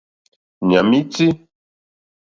Ɲàm í tí.